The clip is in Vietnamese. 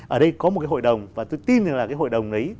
ở đây có một cái hội đồng và tôi tin rằng là cái hội đồng đấy